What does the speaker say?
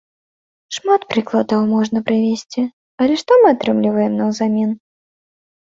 Шмат прыкладаў можна прывесці, але што мы атрымліваем наўзамен?